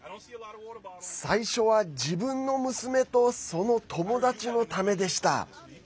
最初は自分の娘とその友達のためでした。